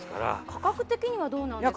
価格的にはどうなんですか？